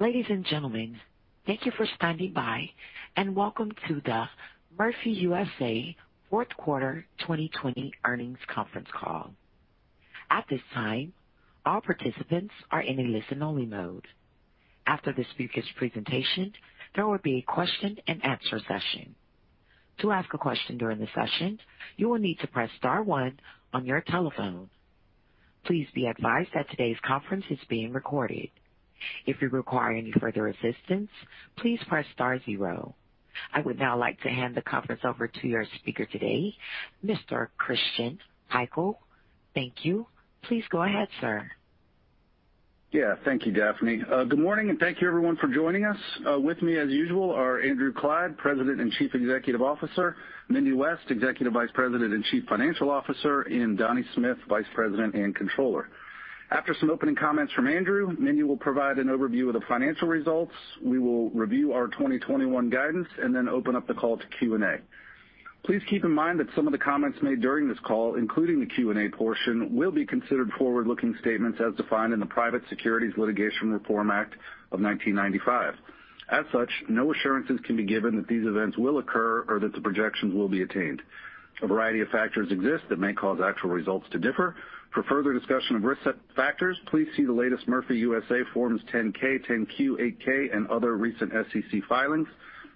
Ladies and gentlemen, thank you for standing by, and welcome to the Murphy USA Fourth Quarter 2020 Earnings Conference Call. At this time, all participants are in a listen-only mode. After this speaker's presentation, there will be a question-and-answer session. To ask a question during the session, you will need to press star one on your telephone. Please be advised that today's conference is being recorded. If you require any further assistance, please press star zero. I would now like to hand the conference over to your speaker today, Mr. Christian Pikul. Thank you. Please go ahead, sir. Yeah, thank you, Daphne. Good morning, and thank you, everyone, for joining us. With me, as usual, are Andrew Clyde, President and Chief Executive Officer, Mindy West, Executive Vice President and Chief Financial Officer, and Donnie Smith, Vice President and Controller. After some opening comments from Andrew, Mindy will provide an overview of the financial results. We will review our 2021 guidance and then open up the call to Q&A. Please keep in mind that some of the comments made during this call, including the Q&A portion, will be considered forward-looking statements as defined in the Private Securities Litigation Reform Act of 1995. As such, no assurances can be given that these events will occur or that the projections will be attained. A variety of factors exist that may cause actual results to differ. For further discussion of risk factors, please see the latest Murphy USA Forms 10-K, 10-Q, 8-K, and other recent SEC filings.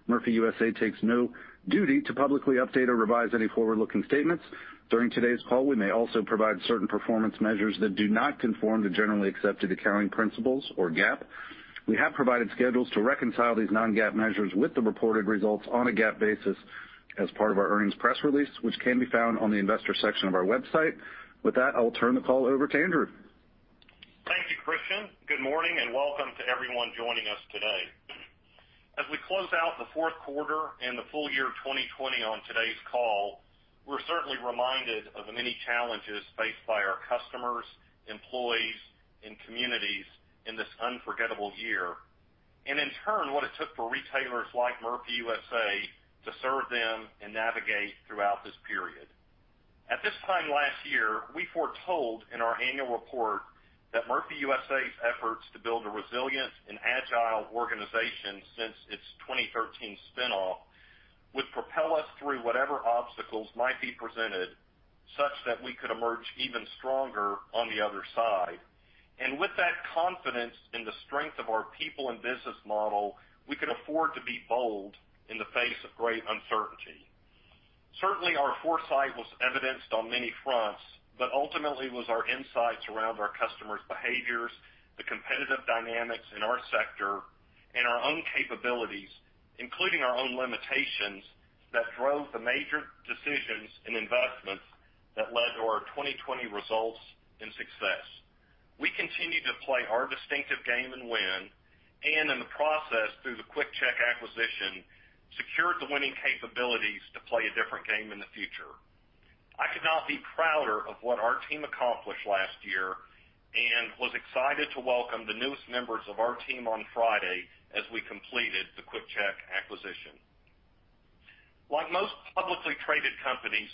Murphy USA takes no duty to publicly update or revise any forward-looking statements. During today's call, we may also provide certain performance measures that do not conform to generally accepted accounting principles or GAAP. We have provided schedules to reconcile these non-GAAP measures with the reported results on a GAAP basis as part of our earnings press release, which can be found on the investor section of our website. With that, I will turn the call over to Andrew. Thank you, Christian. Good morning, and welcome to everyone joining us today. As we close out the fourth quarter and the full year 2020 on today's call, we're certainly reminded of the many challenges faced by our customers, employees, and communities in this unforgettable year, and in turn, what it took for retailers like Murphy USA to serve them and navigate throughout this period. At this time last year, we foretold in our annual report that Murphy USA's efforts to build a resilient and agile organization since its 2013 spinoff would propel us through whatever obstacles might be presented such that we could emerge even stronger on the other side, and with that confidence in the strength of our people and business model, we could afford to be bold in the face of great uncertainty. Certainly, our foresight was evidenced on many fronts, but ultimately, it was our insights around our customers' behaviors, the competitive dynamics in our sector, and our own capabilities, including our own limitations, that drove the major decisions and investments that led to our 2020 results and success. We continue to play our distinctive game and win, and in the process, through the QuickChek acquisition, secured the winning capabilities to play a different game in the future. I could not be prouder of what our team accomplished last year and was excited to welcome the newest members of our team on Friday as we completed the QuickChek acquisition. Like most publicly traded companies,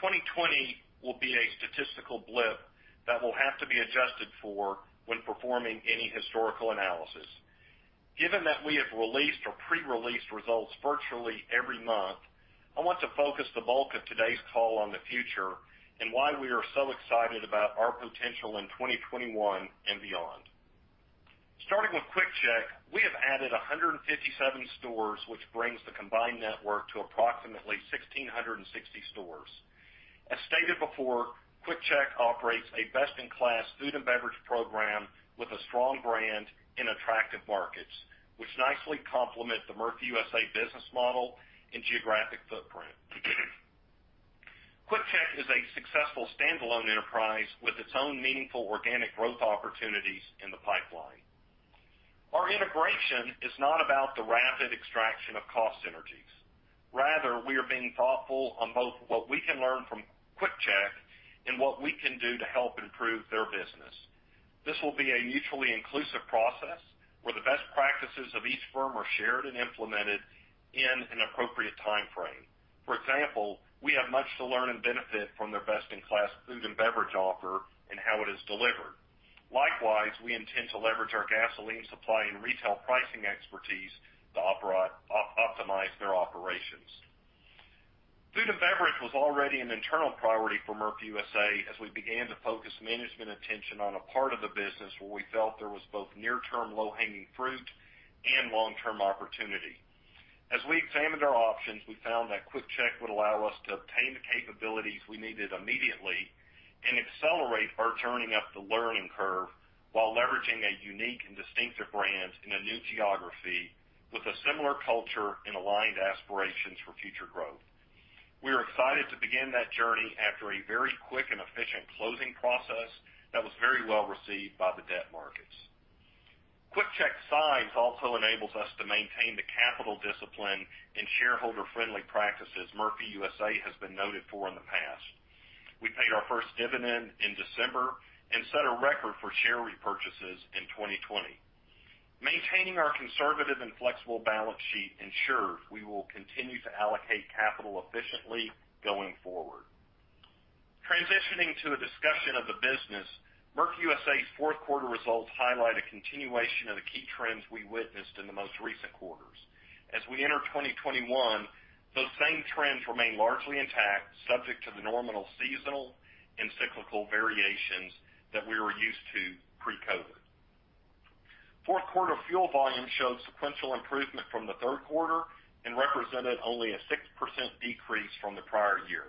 2020 will be a statistical blip that will have to be adjusted for when performing any historical analysis. Given that we have released or pre-released results virtually every month, I want to focus the bulk of today's call on the future and why we are so excited about our potential in 2021 and beyond. Starting with QuickChek, we have added 157 stores, which brings the combined network to approximately 1,660 stores. As stated before, QuickChek operates a best-in-class food and beverage program with a strong brand and attractive markets, which nicely complement the Murphy USA business model and geographic footprint. QuickChek is a successful standalone enterprise with its own meaningful organic growth opportunities in the pipeline. Our integration is not about the rapid extraction of cost synergies. Rather, we are being thoughtful on both what we can learn from QuickChek and what we can do to help improve their business. This will be a mutually inclusive process where the best practices of each firm are shared and implemented in an appropriate time frame. For example, we have much to learn and benefit from their best-in-class food and beverage offer and how it is delivered. Likewise, we intend to leverage our gasoline supply and retail pricing expertise to optimize their operations. Food and beverage was already an internal priority for Murphy USA as we began to focus management attention on a part of the business where we felt there was both near-term low-hanging fruit and long-term opportunity. As we examined our options, we found that QuickChek would allow us to obtain the capabilities we needed immediately and accelerate our turning up the learning curve while leveraging a unique and distinctive brand in a new geography with a similar culture and aligned aspirations for future growth. We are excited to begin that journey after a very quick and efficient closing process that was very well received by the debt markets. QuickChek's size also enables us to maintain the capital discipline and shareholder-friendly practices Murphy USA has been noted for in the past. We paid our first dividend in December and set a record for share repurchases in 2020. Maintaining our conservative and flexible balance sheet ensures we will continue to allocate capital efficiently going forward. Transitioning to a discussion of the business, Murphy USA's fourth quarter results highlight a continuation of the key trends we witnessed in the most recent quarters. As we enter 2021, those same trends remain largely intact, subject to the nominal seasonal and cyclical variations that we were used to pre-COVID. Fourth quarter fuel volume showed sequential improvement from the third quarter and represented only a 6% decrease from the prior year.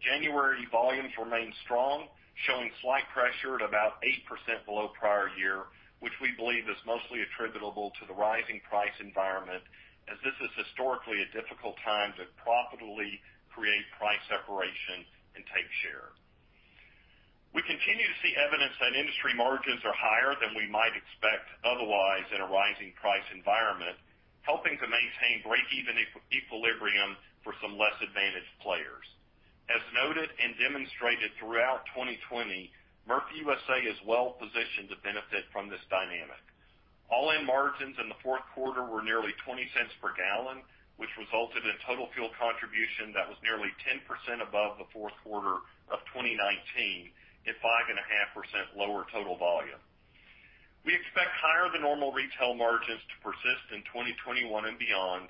January volumes remained strong, showing slight pressure at about 8% below prior year, which we believe is mostly attributable to the rising price environment, as this is historically a difficult time to profitably create price separation and take share. We continue to see evidence that industry margins are higher than we might expect otherwise in a rising price environment, helping to maintain break-even equilibrium for some less advantaged players. As noted and demonstrated throughout 2020, Murphy USA is well positioned to benefit from this dynamic. All-in margins in the fourth quarter were nearly $0.20 per gallon, which resulted in total fuel contribution that was nearly 10% above the fourth quarter of 2019 and 5.5% lower total volume. We expect higher than normal retail margins to persist in 2021 and beyond,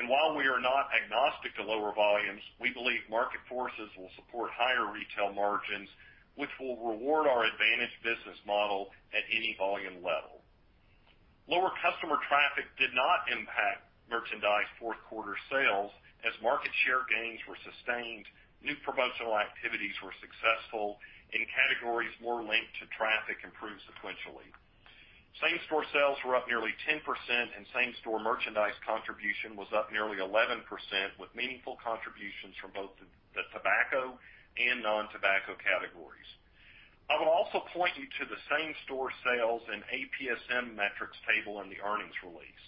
and while we are not agnostic to lower volumes, we believe market forces will support higher retail margins, which will reward our advantaged business model at any volume level. Lower customer traffic did not impact merchandise fourth quarter sales as market share gains were sustained, new promotional activities were successful, and categories more linked to traffic improved sequentially. Same-store sales were up nearly 10%, and same-store merchandise contribution was up nearly 11% with meaningful contributions from both the tobacco and non-tobacco categories. I will also point you to the same-store sales and APSM metrics table in the earnings release.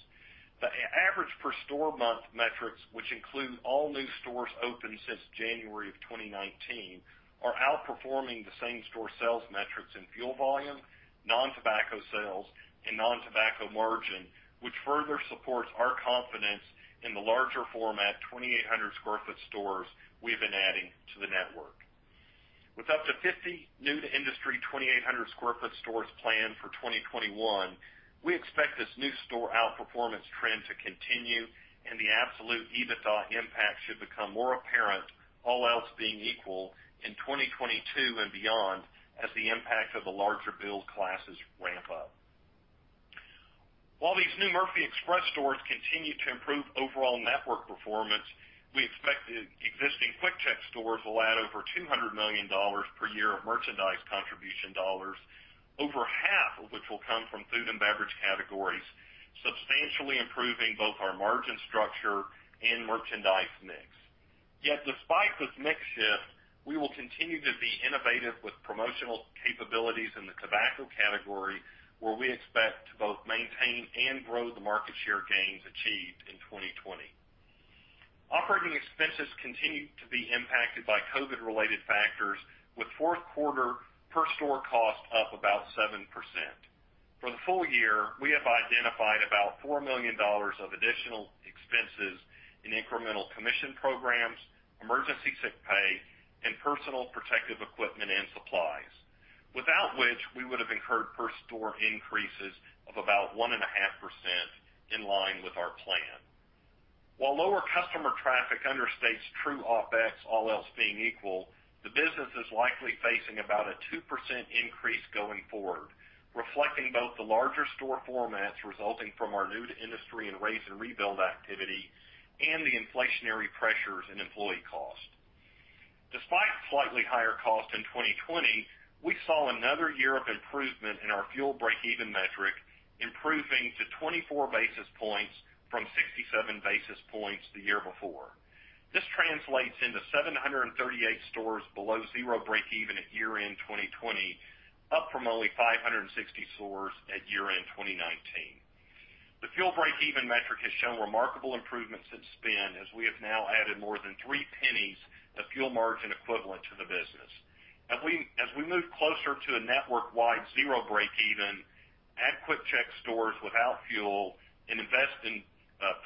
The average per-store month metrics, which include all new stores opened since January of 2019, are outperforming the same-store sales metrics in fuel volume, non-tobacco sales, and non-tobacco margin, which further supports our confidence in the larger format 2,800 sq ft stores we've been adding to the network. With up to 50 new-to-industry 2,800 sq ft stores planned for 2021, we expect this new-store outperformance trend to continue, and the absolute EBITDA impact should become more apparent, all else being equal, in 2022 and beyond as the impact of the larger build classes ramp up. While these new Murphy Express stores continue to improve overall network performance, we expect the existing QuickChek stores will add over $200 million per year of merchandise contribution dollars, over half of which will come from food and beverage categories, substantially improving both our margin structure and merchandise mix. Yet, despite this mix shift, we will continue to be innovative with promotional capabilities in the tobacco category, where we expect to both maintain and grow the market share gains achieved in 2020. Operating expenses continue to be impacted by COVID-related factors, with fourth quarter per-store cost up about 7%. For the full year, we have identified about $4 million of additional expenses in incremental commission programs, emergency sick pay, and personal protective equipment and supplies, without which we would have incurred per-store increases of about 1.5% in line with our plan. While lower customer traffic understates true OpEx, all else being equal, the business is likely facing about a 2% increase going forward, reflecting both the larger-store formats resulting from our new-to-industry and raise-and-rebuild activity and the inflationary pressures in employee cost. Despite slightly higher cost in 2020, we saw another year of improvement in our fuel break-even metric, improving to 24 basis points from 67 basis points the year before. This translates into 738 stores below zero break-even at year-end 2020, up from only 560 stores at year-end 2019. The fuel break-even metric has shown remarkable improvements in spend, as we have now added more than three pennies of fuel margin equivalent to the business. As we move closer to a network-wide zero break-even, add QuickChek stores without fuel, and invest in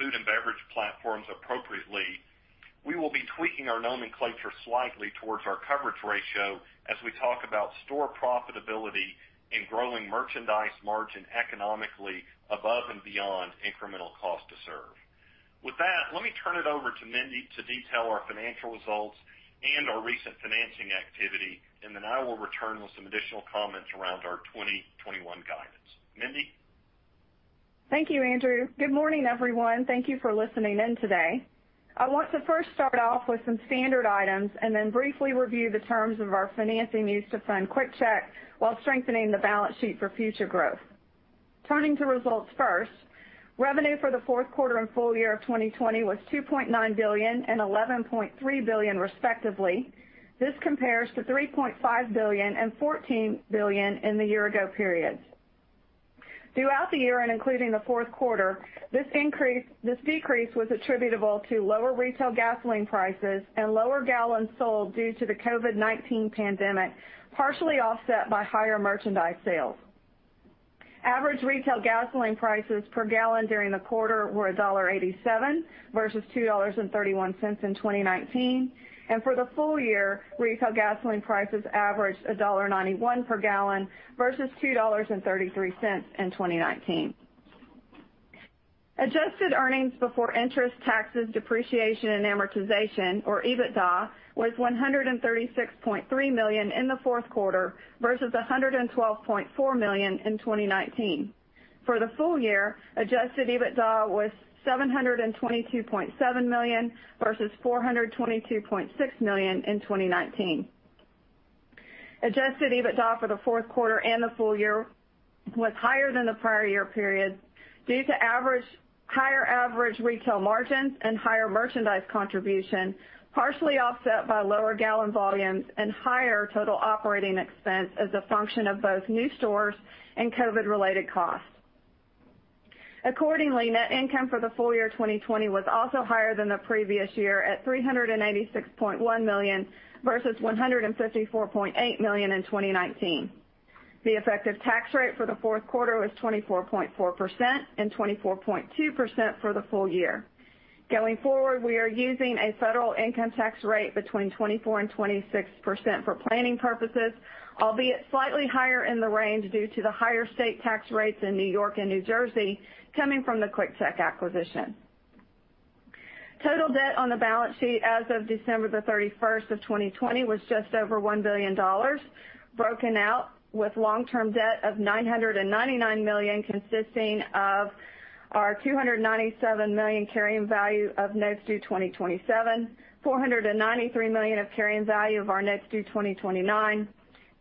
food and beverage platforms appropriately, we will be tweaking our nomenclature slightly towards our coverage ratio as we talk about store profitability and growing merchandise margin economically above and beyond incremental cost to serve. With that, let me turn it over to Mindy to detail our financial results and our recent financing activity, and then I will return with some additional comments around our 2021 guidance. Mindy. Thank you, Andrew. Good morning, everyone. Thank you for listening in today. I want to first start off with some standard items and then briefly review the terms of our financing used to fund QuickChek while strengthening the balance sheet for future growth. Turning to results first, revenue for the fourth quarter and full year of 2020 was $2.9 billion and $11.3 billion, respectively. This compares to $3.5 billion and $14 billion in the year-ago periods. Throughout the year and including the fourth quarter, this decrease was attributable to lower retail gasoline prices and lower gallons sold due to the COVID-19 pandemic, partially offset by higher merchandise sales. Average retail gasoline prices per gallon during the quarter were $1.87 versus $2.31 in 2019, and for the full year, retail gasoline prices averaged $1.91 per gallon versus $2.33 in 2019. Adjusted earnings before interest, taxes, depreciation, and amortization, or EBITDA, was $136.3 million in the fourth quarter versus $112.4 million in 2019. For the full year, adjusted EBITDA was $722.7 million versus $422.6 million in 2019. Adjusted EBITDA for the fourth quarter and the full year was higher than the prior year period due to higher average retail margins and higher merchandise contribution, partially offset by lower gallon volumes and higher total operating expense as a function of both new stores and COVID-related cost. Accordingly, net income for the full year 2020 was also higher than the previous year at $386.1 million versus $154.8 million in 2019. The effective tax rate for the fourth quarter was 24.4% and 24.2% for the full year. Going forward, we are using a federal income tax rate between 24% and 26% for planning purposes, albeit slightly higher in the range due to the higher state tax rates in New York and New Jersey coming from the QuickChek acquisition. Total debt on the balance sheet as of December the 31st of 2020 was just over $1 billion, broken out with long-term debt of $999 million consisting of our $297 million carrying value of notes due 2027, $493 million of carrying value of our notes due 2029,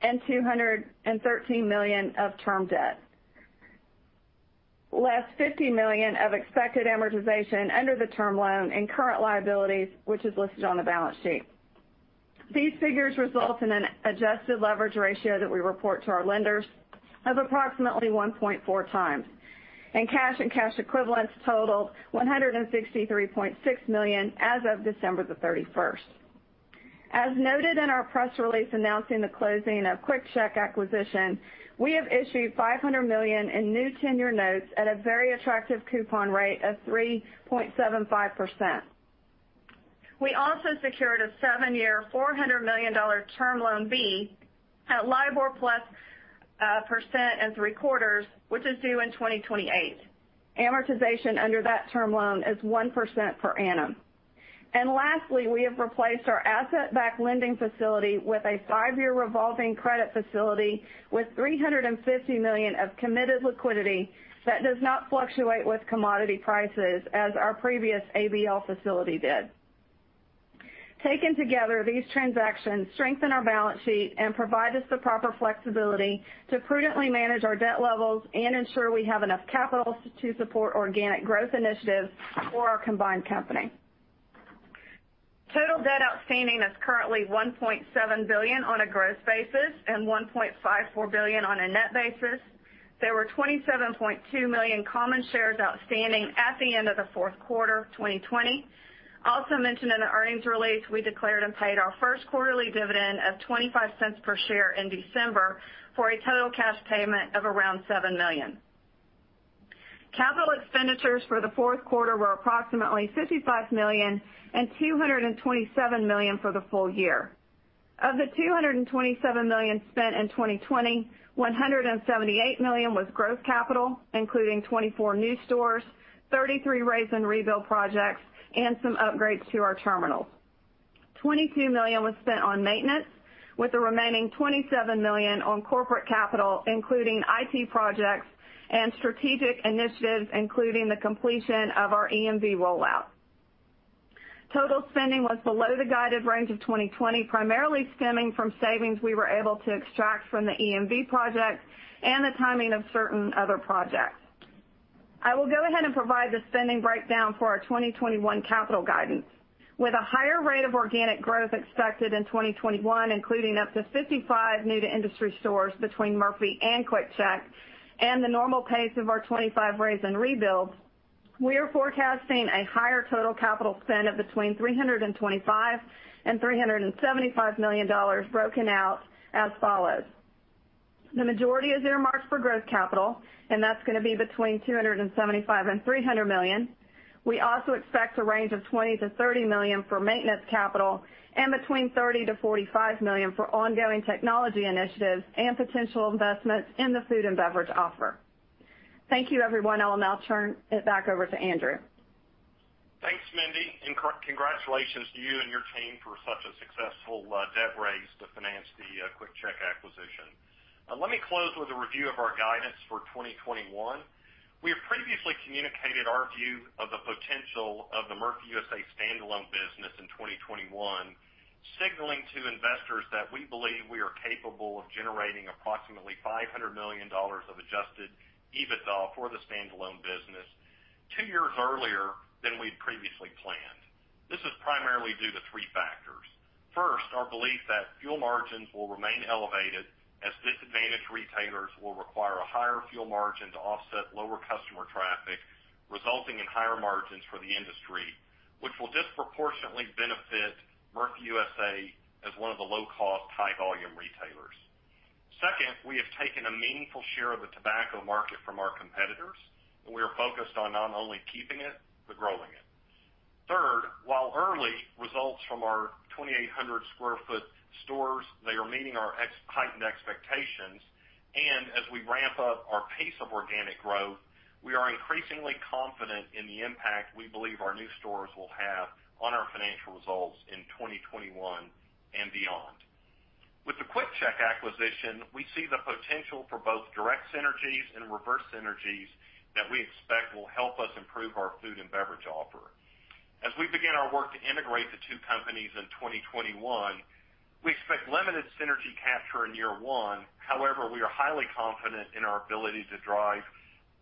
and $213 million of term debt. Less $50 million of expected amortization under the term loan and current liabilities, which is listed on the balance sheet. These figures result in an adjusted leverage ratio that we report to our lenders of approximately 1.4 times, and cash and cash equivalents totaled $163.6 million as of December the 31st. As noted in our press release announcing the closing of the QuickChek acquisition, we have issued $500 million in new senior notes at a very attractive coupon rate of 3.75%. We also secured a seven-year $400 million Term Loan B at LIBOR plus 1 3/4%, which is due in 2028. Amortization under that term loan is 1% per annum. Lastly, we have replaced our asset-backed lending facility with a five-year revolving credit facility with $350 million of committed liquidity that does not fluctuate with commodity prices as our previous ABL facility did. Taken together, these transactions strengthen our balance sheet and provide us the proper flexibility to prudently manage our debt levels and ensure we have enough capital to support organic growth initiatives for our combined company. Total debt outstanding is currently $1.7 billion on a gross basis and $1.54 billion on a net basis. There were 27.2 million common shares outstanding at the end of the fourth quarter 2020. Also mentioned in the earnings release, we declared and paid our first quarterly dividend of $0.25 per share in December for a total cash payment of around $7 million. Capital expenditures for the fourth quarter were approximately $55 million and $227 million for the full year. Of the $227 million spent in 2020, $178 million was gross capital, including 24 new stores, 33 raise-and-rebuild projects, and some upgrades to our terminals. $22 million was spent on maintenance, with the remaining $27 million on corporate capital, including IT projects and strategic initiatives, including the completion of our EMV rollout. Total spending was below the guided range of 2020, primarily stemming from savings we were able to extract from the EMV projects and the timing of certain other projects. I will go ahead and provide the spending breakdown for our 2021 capital guidance. With a higher rate of organic growth expected in 2021, including up to 55 new-to-industry stores between Murphy and QuickChek and the normal pace of our 25 raise-and-rebuild, we are forecasting a higher total capital spend of between $325 and $375 million, broken out as follows. The majority is earmarks for gross capital, and that's going to be between $275 and $300 million. We also expect a range of $20 to $30 million for maintenance capital and between $30 to $45 million for ongoing technology initiatives and potential investments in the food and beverage offer. Thank you, everyone. I'll now turn it back over to Andrew. Thanks, Mindy. And congratulations to you and your team for such a successful debt raise to finance the QuickChek acquisition. Let me close with a review of our guidance for 2021. We have previously communicated our view of the potential of the Murphy USA standalone business in 2021, signaling to investors that we believe we are capable of generating approximately $500 million of adjusted EBITDA for the standalone business two years earlier than we had previously planned. This is primarily due to three factors. First, our belief that fuel margins will remain elevated as disadvantaged retailers will require a higher fuel margin to offset lower customer traffic, resulting in higher margins for the industry, which will disproportionately benefit Murphy USA as one of the low-cost, high-volume retailers. Second, we have taken a meaningful share of the tobacco market from our competitors, and we are focused on not only keeping it but growing it. Third, while early results from our 2,800 sq ft stores, they are meeting our heightened expectations, and as we ramp up our pace of organic growth, we are increasingly confident in the impact we believe our new stores will have on our financial results in 2021 and beyond. With the QuickChek acquisition, we see the potential for both direct synergies and reverse synergies that we expect will help us improve our food and beverage offer. As we begin our work to integrate the two companies in 2021, we expect limited synergy capture in year one. However, we are highly confident in our ability to drive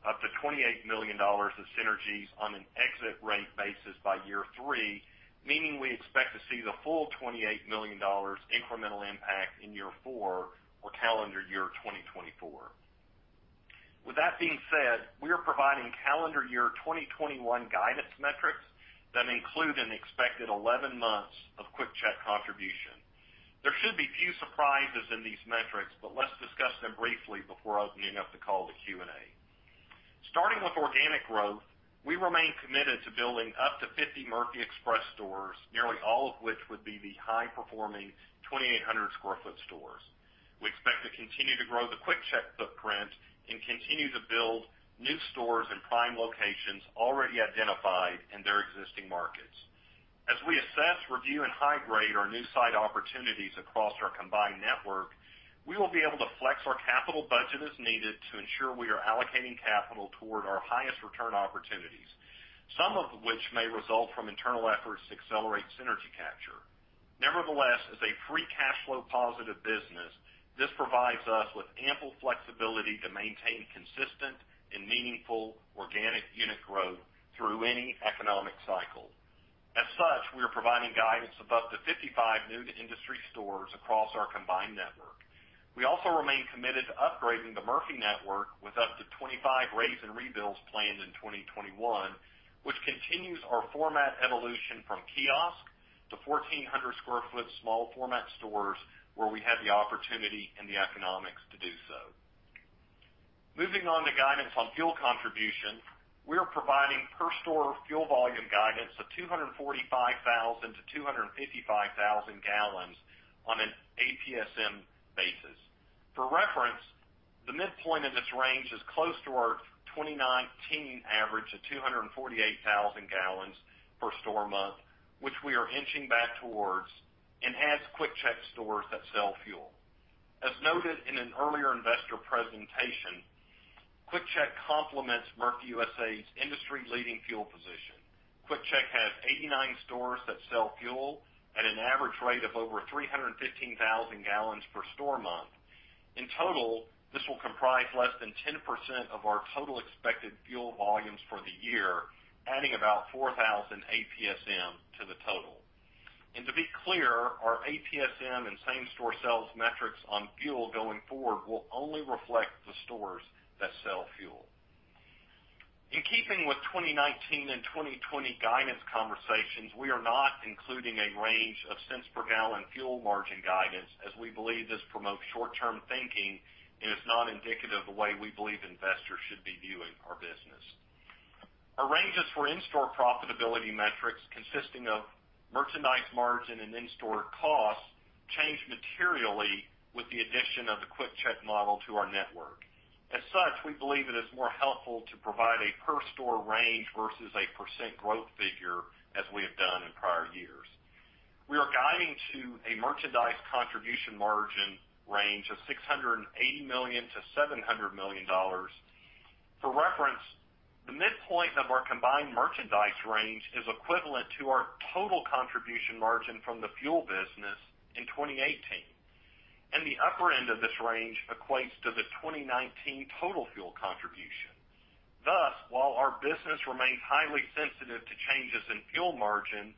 up to $28 million of synergies on an exit rate basis by year three, meaning we expect to see the full $28 million incremental impact in year four or calendar year 2024. With that being said, we are providing calendar year 2021 guidance metrics that include an expected 11 months of QuickChek contribution. There should be few surprises in these metrics, but let's discuss them briefly before opening up the call to Q&A. Starting with organic growth, we remain committed to building up to 50 Murphy Express stores, nearly all of which would be the high-performing 2,800 sq ft stores. We expect to continue to grow the QuickChek footprint and continue to build new stores in prime locations already identified in their existing markets. As we assess, review, and high-grade our new site opportunities across our combined network, we will be able to flex our capital budget as needed to ensure we are allocating capital toward our highest return opportunities, some of which may result from internal efforts to accelerate synergy capture. Nevertheless, as a free cash flow positive business, this provides us with ample flexibility to maintain consistent and meaningful organic unit growth through any economic cycle. As such, we are providing guidance of up to 55 new-to-industry stores across our combined network. We also remain committed to upgrading the Murphy network with up to 25 raise-and-rebuilds planned in 2021, which continues our format evolution from kiosk to 1,400 sq ft small format stores where we have the opportunity and the economics to do so. Moving on to guidance on fuel contribution, we are providing per-store fuel volume guidance of 245,000 to 255,000 gallons on an APSM basis. For reference, the midpoint in this range is close to our 2019 average of 248,000 gallons per store month, which we are inching back towards and adds QuickChek stores that sell fuel. As noted in an earlier investor presentation, QuickChek complements Murphy USA's industry-leading fuel position. QuickChek has 89 stores that sell fuel at an average rate of over 315,000 gallons per store month. In total, this will comprise less than 10% of our total expected fuel volumes for the year, adding about 4,000 APSM to the total. And to be clear, our APSM and same-store sales metrics on fuel going forward will only reflect the stores that sell fuel. In keeping with 2019 and 2020 guidance conversations, we are not including a range of cents per gallon fuel margin guidance, as we believe this promotes short-term thinking and is not indicative of the way we believe investors should be viewing our business. Our ranges for in-store profitability metrics, consisting of merchandise margin and in-store costs, change materially with the addition of the QuickChek model to our network. As such, we believe it is more helpful to provide a per-store range versus a percent growth figure, as we have done in prior years. We are guiding to a merchandise contribution margin range of $680 million-$700 million. For reference, the midpoint of our combined merchandise range is equivalent to our total contribution margin from the fuel business in 2018, and the upper end of this range equates to the 2019 total fuel contribution. Thus, while our business remains highly sensitive to changes in fuel margin,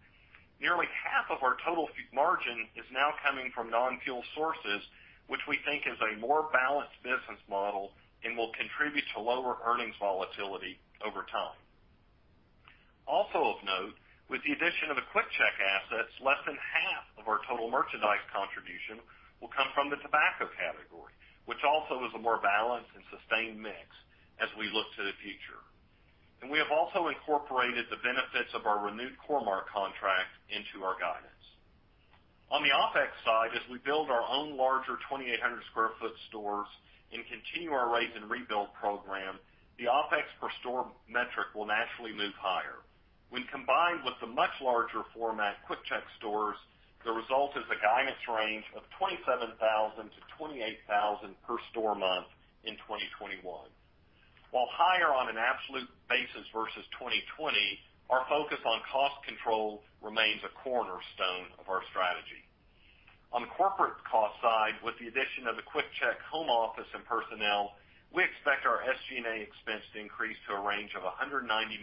nearly half of our total margin is now coming from non-fuel sources, which we think is a more balanced business model and will contribute to lower earnings volatility over time. Also of note, with the addition of the QuickChek assets, less than half of our total merchandise contribution will come from the tobacco category, which also is a more balanced and sustained mix as we look to the future. And we have also incorporated the benefits of our renewed Core-Mark contract into our guidance. On the OpEx side, as we build our own larger 2,800 sq ft stores and continue our raise-and-rebuild program, the OpEx per store metric will naturally move higher. When combined with the much larger format QuickChek stores, the result is a guidance range of $27,000-$28,000 per store month in 2021. While higher on an absolute basis versus 2020, our focus on cost control remains a cornerstone of our strategy. On the corporate cost side, with the addition of the QuickChek home office and personnel, we expect our SG&A expense to increase to a range of $190 million-$200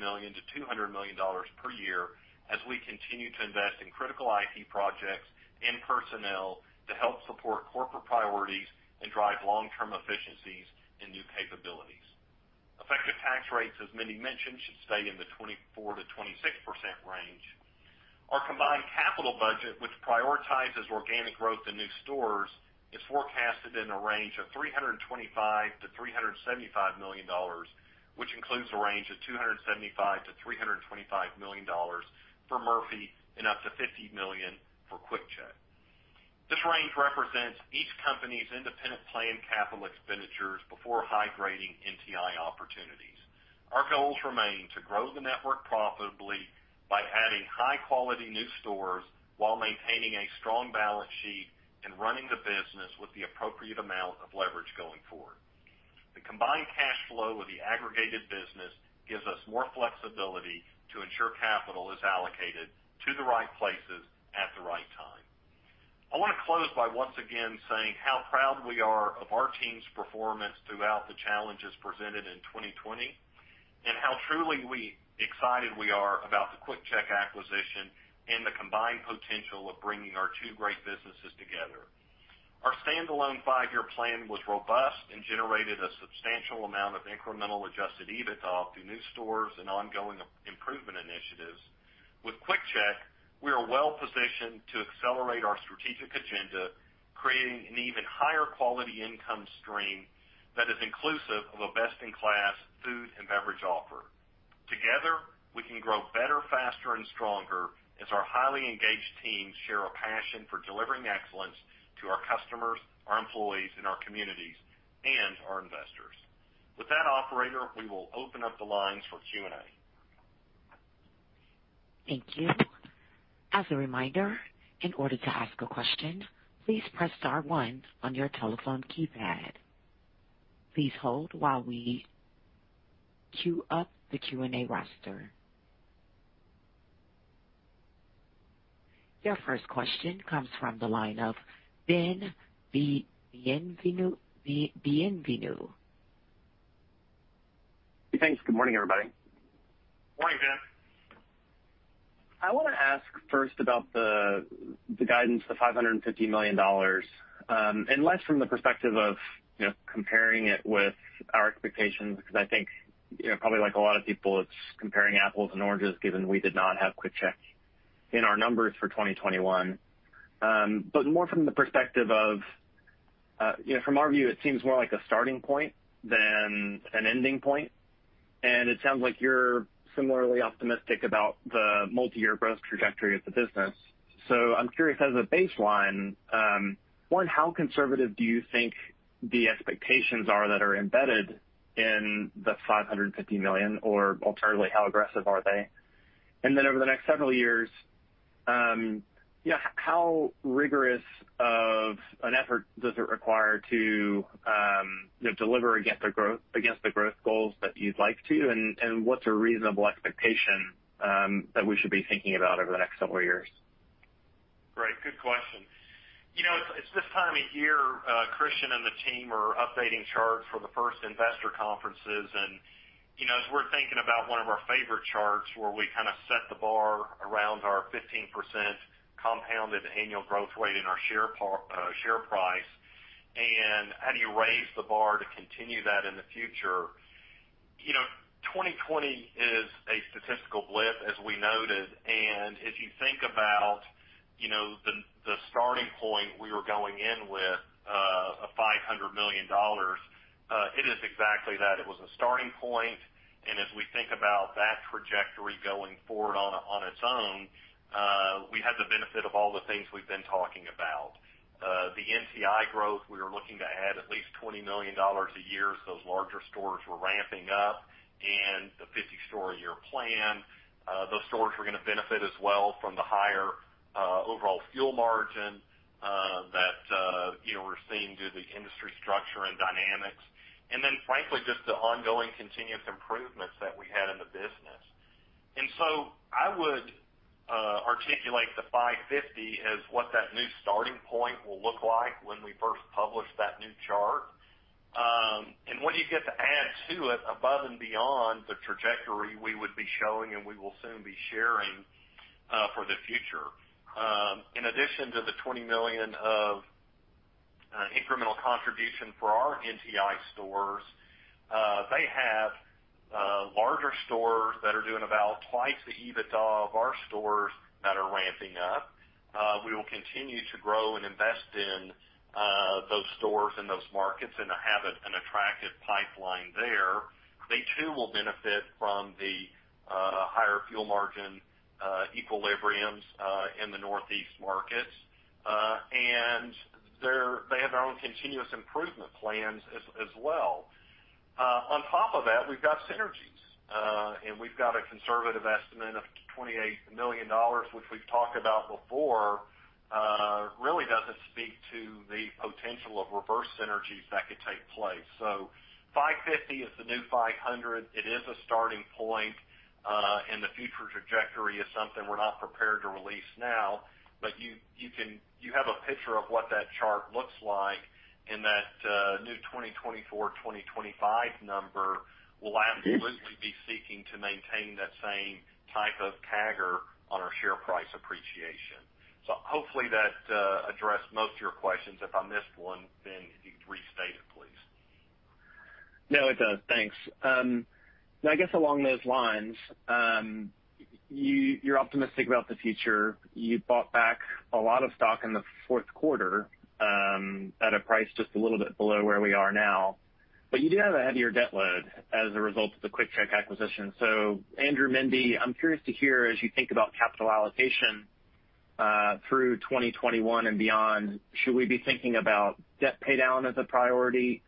million per year as we continue to invest in critical IT projects and personnel to help support corporate priorities and drive long-term efficiencies and new capabilities. Effective tax rates, as Mindy mentioned, should stay in the 24%-26% range. Our combined capital budget, which prioritizes organic growth and new stores, is forecasted in a range of $325 million-$375 million, which includes a range of $275 million-$325 million for Murphy and up to $50 million for QuickChek. This range represents each company's independent planned capital expenditures before high-grading NTI opportunities. Our goals remain to grow the network profitably by adding high-quality new stores while maintaining a strong balance sheet and running the business with the appropriate amount of leverage going forward. The combined cash flow of the aggregated business gives us more flexibility to ensure capital is allocated to the right places at the right time. I want to close by once again saying how proud we are of our team's performance throughout the challenges presented in 2020 and how truly excited we are about the QuickChek acquisition and the combined potential of bringing our two great businesses together. Our standalone five-year plan was robust and generated a substantial amount of incremental adjusted EBITDA through new stores and ongoing improvement initiatives. With QuickChek, we are well positioned to accelerate our strategic agenda, creating an even higher quality income stream that is inclusive of a best-in-class food and beverage offer. Together, we can grow better, faster, and stronger as our highly engaged teams share a passion for delivering excellence to our customers, our employees, and our communities, and our investors. With that, Operator, we will open up the lines for Q&A. Thank you. As a reminder, in order to ask a question, please press star one on your telephone keypad. Please hold while we queue up the Q&A roster. Your first question comes from the line of Ben Bienvenu. Hey, thanks. Good morning, everybody. Morning, Ben. I want to ask first about the guidance, the $550 million, and less from the perspective of comparing it with our expectations, because I think probably like a lot of people, it's comparing apples and oranges, given we did not have QuickChek in our numbers for 2021. But more from the perspective of, from our view, it seems more like a starting point than an ending point. And it sounds like you're similarly optimistic about the multi-year growth trajectory of the business. So I'm curious, as a baseline, one, how conservative do you think the expectations are that are embedded in the $550 million, or alternatively, how aggressive are they? And then over the next several years, how rigorous of an effort does it require to deliver against the growth goals that you'd like to, and what's a reasonable expectation that we should be thinking about over the next several years? Great. Good question. It's this time of year. Christian and the team are updating charts for the first investor conferences. As we're thinking about one of our favorite charts where we kind of set the bar around our 15% compounded annual growth rate in our share price and how do you raise the bar to continue that in the future? 2020 is a statistical blip, as we noted. If you think about the starting point we were going in with of $500 million, it is exactly that. It was a starting point. As we think about that trajectory going forward on its own, we had the benefit of all the things we've been talking about. The NTI growth, we were looking to add at least $20 million a year as those larger stores were ramping up and the 50-store-a-year plan. Those stores were going to benefit as well from the higher overall fuel margin that we're seeing due to the industry structure and dynamics, and then, frankly, just the ongoing continuous improvements that we had in the business, and so I would articulate the 550 as what that new starting point will look like when we first publish that new chart, and what do you get to add to it above and beyond the trajectory we would be showing and we will soon be sharing for the future? In addition to the $20 million of incremental contribution for our NTI stores, they have larger stores that are doing about twice the EBITDA of our stores that are ramping up. We will continue to grow and invest in those stores and those markets and have an attractive pipeline there. They, too, will benefit from the higher fuel margin equilibriums in the northeast markets, and they have their own continuous improvement plans as well. On top of that, we've got synergies, and we've got a conservative estimate of $28 million, which we've talked about before, really doesn't speak to the potential of reverse synergies that could take place, so 550 is the new 500. It is a starting point, and the future trajectory is something we're not prepared to release now, but you have a picture of what that chart looks like, and that new 2024, 2025 number will absolutely be seeking to maintain that same type of CAGR on our share price appreciation, so hopefully that addressed most of your questions. If I missed one, then if you could restate it, please. No, it does. Thanks. I guess along those lines, you're optimistic about the future. You bought back a lot of stock in the fourth quarter at a price just a little bit below where we are now. But you do have a heavier debt load as a result of the QuickChek acquisition. So, Andrew, Mindy, I'm curious to hear, as you think about capital allocation through 2021 and beyond, should we be thinking about debt paydown as a priority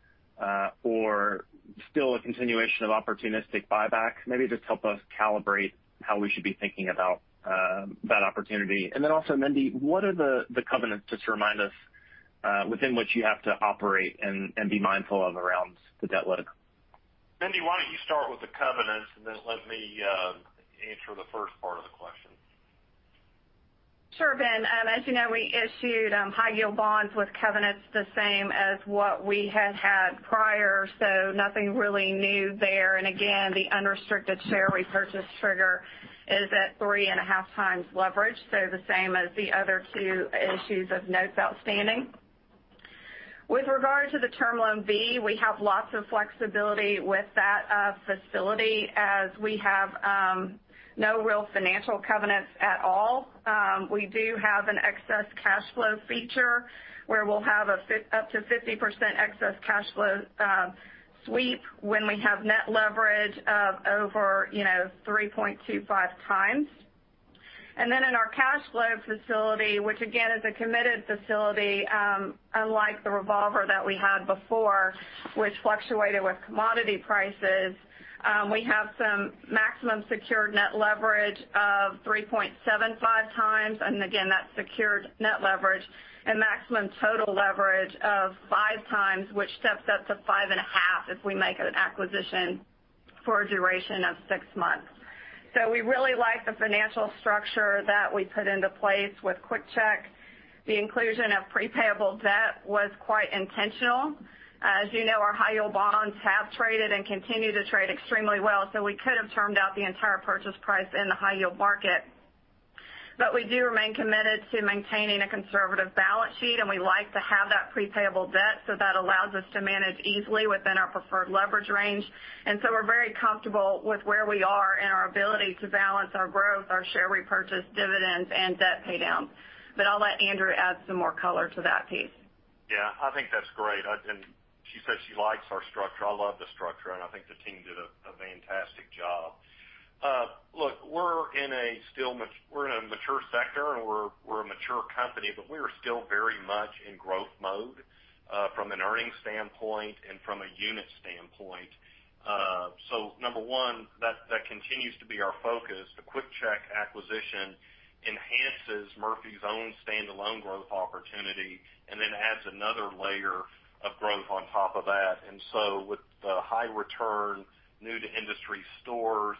or still a continuation of opportunistic buyback? Maybe just help us calibrate how we should be thinking about that opportunity. And then also, Mindy, what are the covenants just to remind us within which you have to operate and be mindful of around the debt load? Mindy, why don't you start with the covenants and then let me answer the first part of the question? Sure, Ben. As you know, we issued high-yield bonds with covenants the same as what we had had prior, so nothing really new there. And again, the unrestricted share repurchase trigger is at three and a half times leverage, so the same as the other two issues of notes outstanding. With regard to the term loan B, we have lots of flexibility with that facility as we have no real financial covenants at all. We do have an excess cash flow feature where we'll have up to 50% excess cash flow sweep when we have net leverage of over 3.25 times. And then in our cash flow facility, which again is a committed facility, unlike the revolver that we had before, which fluctuated with commodity prices, we have some maximum secured net leverage of 3.75 times. Again, that secured net leverage and maximum total leverage of five times, which steps up to five and a half if we make an acquisition for a duration of six months. We really like the financial structure that we put into place with QuickChek. The inclusion of prepayable debt was quite intentional. As you know, our high-yield bonds have traded and continue to trade extremely well, so we could have termed out the entire purchase price in the high-yield market. We do remain committed to maintaining a conservative balance sheet, and we like to have that prepayable debt so that allows us to manage easily within our preferred leverage range. We're very comfortable with where we are in our ability to balance our growth, our share repurchase, dividends, and debt paydown. I'll let Andrew add some more color to that piece. Yeah, I think that's great. And she said she likes our structure. I love the structure, and I think the team did a fantastic job. Look, we're in a mature sector, and we're a mature company, but we are still very much in growth mode from an earnings standpoint and from a unit standpoint. So number one, that continues to be our focus. The QuickChek acquisition enhances Murphy's own standalone growth opportunity and then adds another layer of growth on top of that. And so with the high-return, new-to-industry stores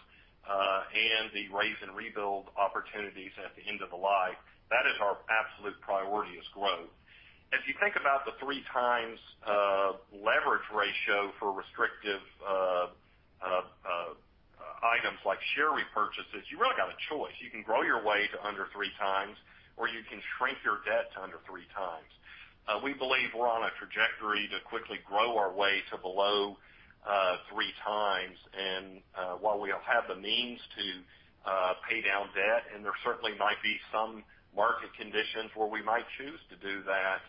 and the raise-and-rebuild opportunities at the end of the line, that is our absolute priority is growth. As you think about the three-times leverage ratio for restrictive items like share repurchases, you really got a choice. You can grow your way to under three times, or you can shrink your debt to under three times. We believe we're on a trajectory to quickly grow our way to below three times, and while we'll have the means to pay down debt, and there certainly might be some market conditions where we might choose to do that,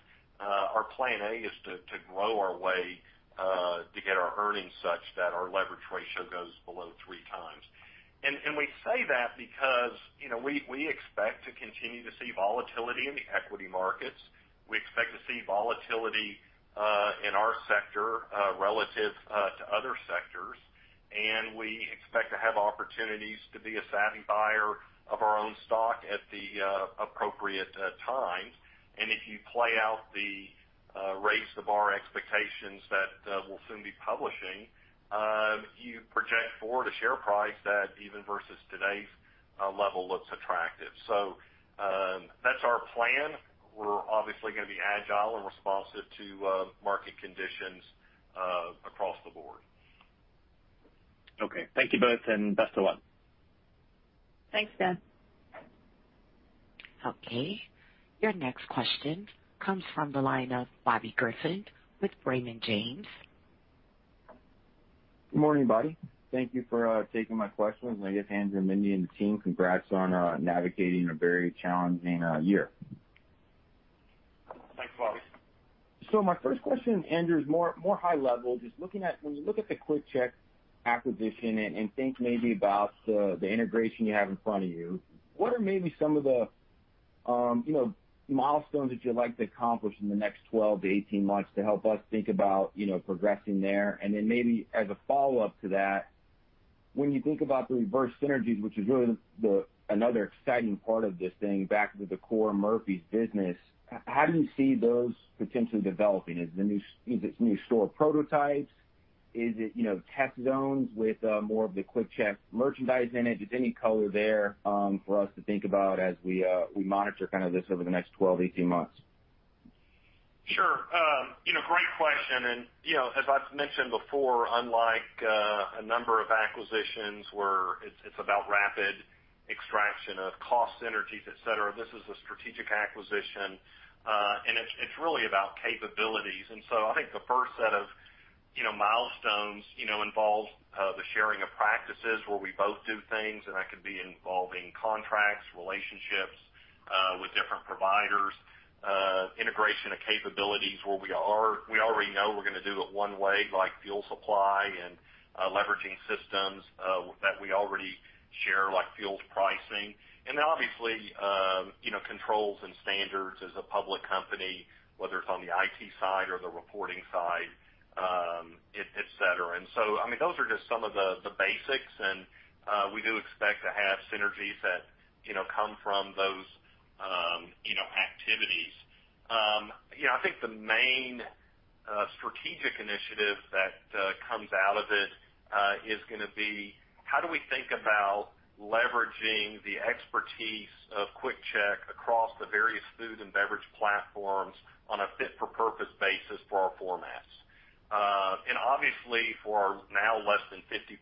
our plan A is to grow our way to get our earnings such that our leverage ratio goes below three times, and we say that because we expect to continue to see volatility in the equity markets. We expect to see volatility in our sector relative to other sectors, and we expect to have opportunities to be a savvy buyer of our own stock at the appropriate times, and if you play out the raise-the-bar expectations that we'll soon be publishing, you project forward a share price that, even versus today's level, looks attractive, so that's our plan. We're obviously going to be agile and responsive to market conditions across the board. Okay. Thank you both, and best of luck. Thanks, Ben. Okay. Your next question comes from the line of Bobby Griffin with Raymond James. Good morning, Bobby. Thank you for taking my questions, and I guess Andrew, Mindy, and the team, congrats on navigating a very challenging year. Thanks, Bobby. My first question, Andrew, is more high-level. Just looking at when you look at the QuickChek acquisition and think maybe about the integration you have in front of you, what are maybe some of the milestones that you'd like to accomplish in the next 12-18 months to help us think about progressing there? And then maybe as a follow-up to that, when you think about the reverse synergies, which is really another exciting part of this thing, back to the core Murphy's business, how do you see those potentially developing? Is it new store prototypes? Is it test zones with more of the QuickChek merchandise in it? Just any color there for us to think about as we monitor kind of this over the next 12-18 months? Sure. Great question. And as I've mentioned before, unlike a number of acquisitions where it's about rapid extraction of cost synergies, etc., this is a strategic acquisition. And it's really about capabilities. And so I think the first set of milestones involves the sharing of practices where we both do things. And that could be involving contracts, relationships with different providers, integration of capabilities where we already know we're going to do it one way, like fuel supply and leveraging systems that we already share, like fuel pricing. And then obviously, controls and standards as a public company, whether it's on the IT side or the reporting side, etc. And so, I mean, those are just some of the basics. And we do expect to have synergies that come from those activities. I think the main strategic initiative that comes out of it is going to be how do we think about leveraging the expertise of QuickChek across the various food and beverage platforms on a fit-for-purpose basis for our formats? And obviously, for now, less than 50%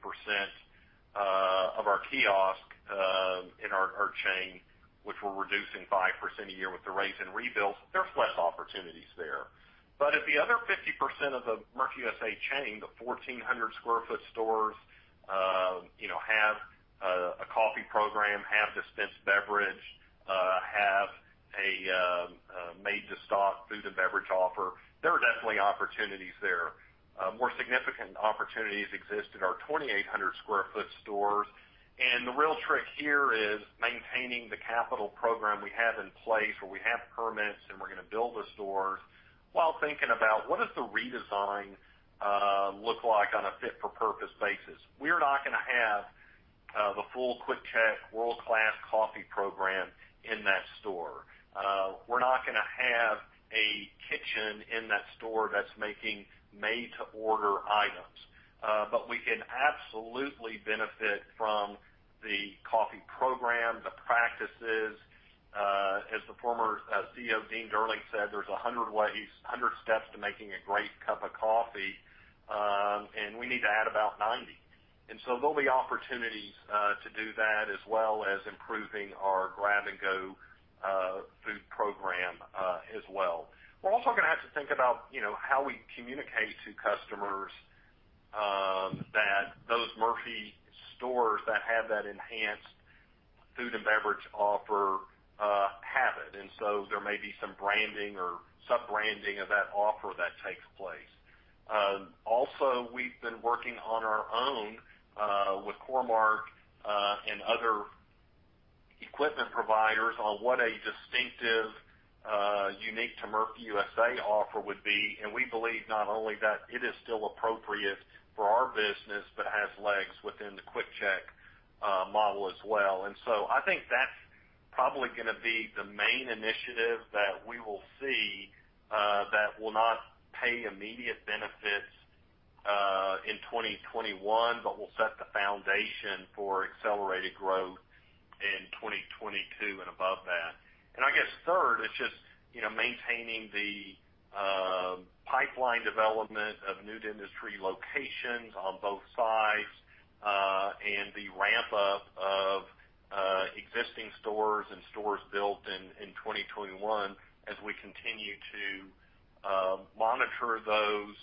of our kiosk in our chain, which we're reducing 5% a year with the raise-and-rebuild, there's less opportunities there. But at the other 50% of the Murphy USA chain, the 1,400 sq ft stores have a coffee program, have dispensed beverage, have a made-to-stock food and beverage offer. There are definitely opportunities there. More significant opportunities exist at our 2,800 sq ft stores. And the real trick here is maintaining the capital program we have in place where we have permits and we're going to build the stores while thinking about what does the redesign look like on a fit-for-purpose basis. We are not going to have the full QuickChek world-class coffee program in that store. We're not going to have a kitchen in that store that's making made-to-order items. But we can absolutely benefit from the coffee program, the practices. As the former CEO, Dean Durling, said, there's 100 steps to making a great cup of coffee, and we need to add about 90, and so there'll be opportunities to do that as well as improving our grab-and-go food program as well. We're also going to have to think about how we communicate to customers that those Murphy stores that have that enhanced food and beverage offer have it, and so there may be some branding or sub-branding of that offer that takes place. Also, we've been working on our own with Core-Mark and other equipment providers on what a distinctive, unique to Murphy USA offer would be. And we believe not only that it is still appropriate for our business, but has legs within the QuickChek model as well. And so I think that's probably going to be the main initiative that we will see that will not pay immediate benefits in 2021, but will set the foundation for accelerated growth in 2022 and above that. And I guess third is just maintaining the pipeline development of new-to-industry locations on both sides and the ramp-up of existing stores and stores built in 2021 as we continue to monitor those,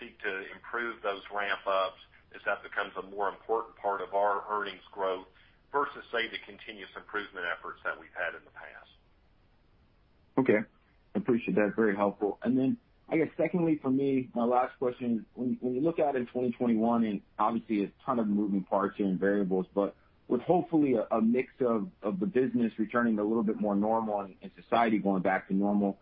seek to improve those ramp-ups as that becomes a more important part of our earnings growth versus, say, the continuous improvement efforts that we've had in the past. Okay. I appreciate that. Very helpful. And then I guess secondly for me, my last question, when you look at it in 2021, and obviously a ton of moving parts here and variables, but with hopefully a mix of the business returning to a little bit more normal and society going back to normal,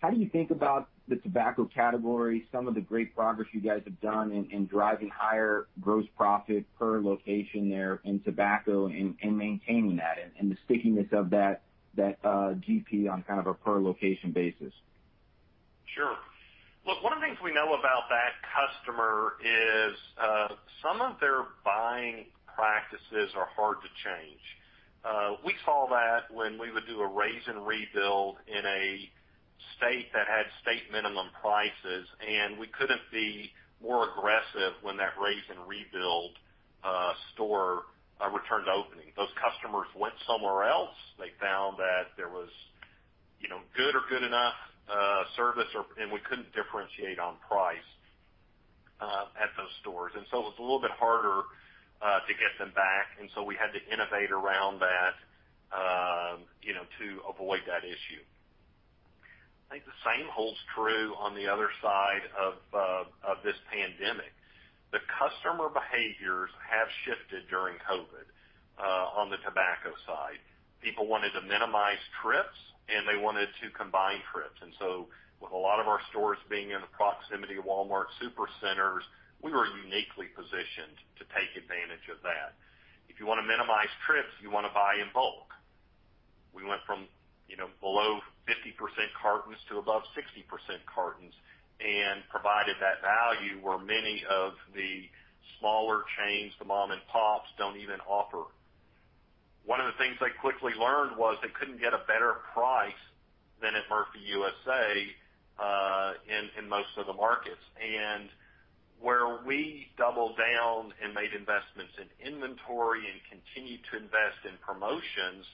how do you think about the tobacco category, some of the great progress you guys have done in driving higher gross profit per location there in tobacco and maintaining that and the stickiness of that GP on kind of a per-location basis? Sure. Look, one of the things we know about that customer is some of their buying practices are hard to change. We saw that when we would do a Raise-and-rebuild in a state that had state minimum prices, and we couldn't be more aggressive when that Raise-and-rebuild store returned to opening. Those customers went somewhere else. They found that there was good or good enough service, and we couldn't differentiate on price at those stores. And so it was a little bit harder to get them back. And so we had to innovate around that to avoid that issue. I think the same holds true on the other side of this pandemic. The customer behaviors have shifted during COVID on the tobacco side. People wanted to minimize trips, and they wanted to combine trips. With a lot of our stores being in the proximity of Walmart supercenters, we were uniquely positioned to take advantage of that. If you want to minimize trips, you want to buy in bulk. We went from below 50% cartons to above 60% cartons and provided that value where many of the smaller chains, the mom-and-pops, don't even offer. One of the things they quickly learned was they couldn't get a better price than at Murphy USA in most of the markets. Where we doubled down and made investments in inventory and continued to invest in promotions,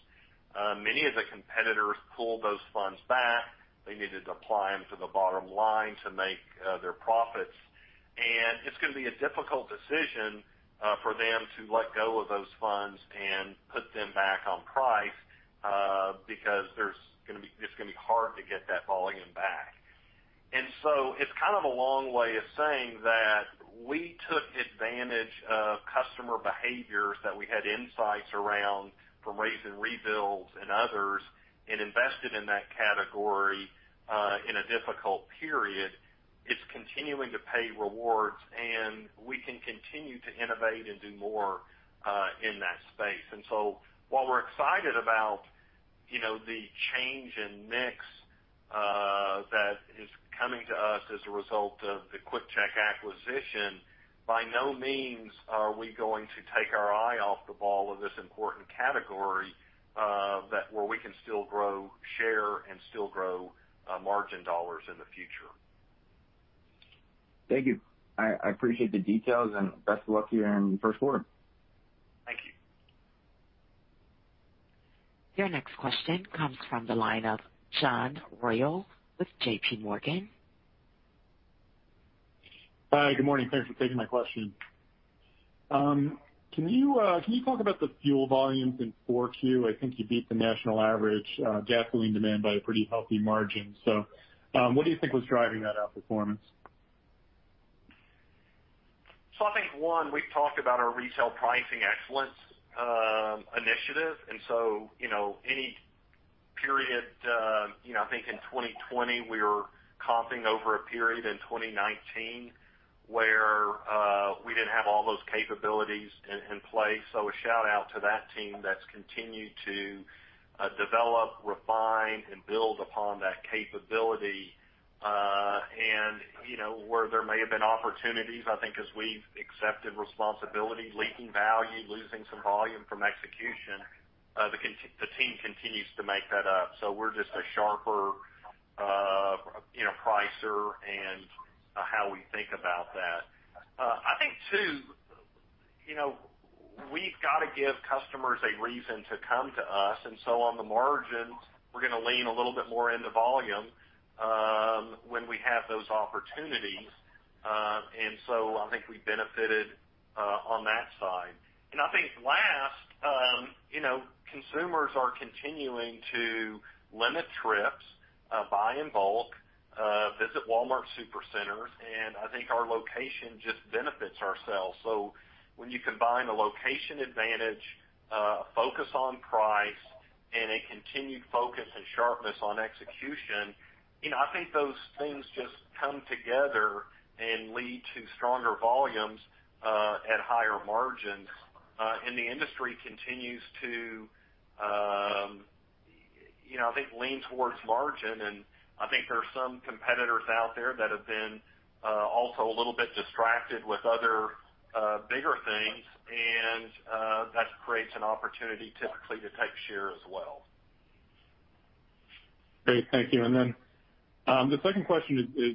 many of the competitors pulled those funds back. They needed to apply them to the bottom line to make their profits. And it's going to be a difficult decision for them to let go of those funds and put them back on price because it's going to be hard to get that volume back. And so it's kind of a long way of saying that we took advantage of customer behaviors that we had insights around from raise-and-rebuilds and others and invested in that category in a difficult period. It's continuing to pay rewards, and we can continue to innovate and do more in that space. And so while we're excited about the change in mix that is coming to us as a result of the QuickChek acquisition, by no means are we going to take our eye off the ball of this important category where we can still grow share and still grow margin dollars in the future. Thank you. I appreciate the details, and best of luck here in the first quarter. Thank you. Your next question comes from the line of John Royal with J.P. Morgan. Hi, good morning. Thanks for taking my question. Can you talk about the fuel volumes in 4Q? I think you beat the national average gasoline demand by a pretty healthy margin. So what do you think was driving that outperformance? So I think, one, we've talked about our retail pricing excellence initiative. And so any period, I think in 2020, we were comping over a period in 2019 where we didn't have all those capabilities in place. So a shout-out to that team that's continued to develop, refine, and build upon that capability. And where there may have been opportunities, I think as we've accepted responsibility, leaking value, losing some volume from execution, the team continues to make that up. So we're just a sharper pricer and how we think about that. I think, too, we've got to give customers a reason to come to us. And so on the margins, we're going to lean a little bit more into volume when we have those opportunities. And so I think we benefited on that side. And I think last, consumers are continuing to limit trips, buy in bulk, visit Walmart supercenters. And I think our location just benefits ourselves. So when you combine a location advantage, a focus on price, and a continued focus and sharpness on execution, I think those things just come together and lead to stronger volumes at higher margins. And the industry continues to, I think, lean towards margin. And I think there are some competitors out there that have been also a little bit distracted with other bigger things. And that creates an opportunity typically to take share as well. Great. Thank you. And then the second question is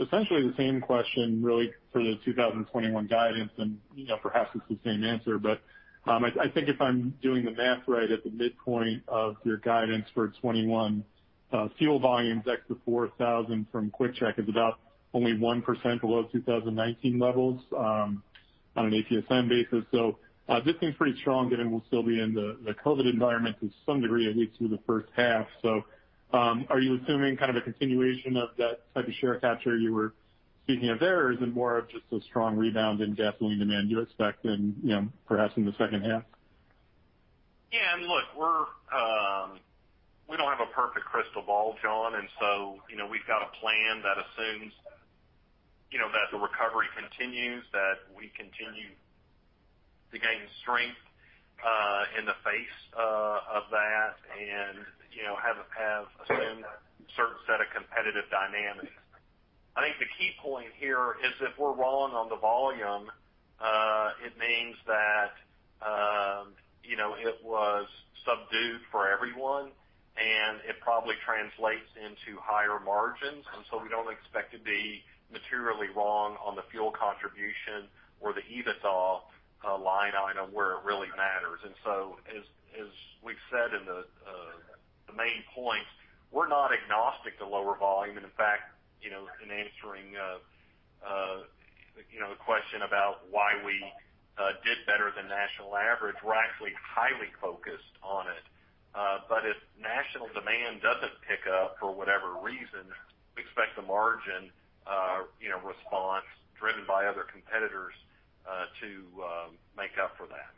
essentially the same question really for the 2021 guidance. And perhaps it's the same answer. But I think if I'm doing the math right, at the midpoint of your guidance for 2021, fuel volumes exit 4Q from QuickChek is about only 1% below 2019 levels on an APSM basis. So this seems pretty strong given we'll still be in the COVID environment to some degree, at least through the first half. So are you assuming kind of a continuation of that type of share capture you were speaking of there, or is it more of just a strong rebound in gasoline demand you expect perhaps in the second half? Yeah. And look, we don't have a perfect crystal ball, John. And so we've got a plan that assumes that the recovery continues, that we continue to gain strength in the face of that, and have assumed a certain set of competitive dynamics. I think the key point here is if we're wrong on the volume, it means that it was subdued for everyone, and it probably translates into higher margins. And so we don't expect to be materially wrong on the fuel contribution or the EBITDA line item where it really matters. And so as we've said in the main points, we're not agnostic to lower volume. And in fact, in answering the question about why we did better than national average, we're actually highly focused on it. but if national demand doesn't pick up for whatever reason, we expect the margin response driven by other competitors to make up for that.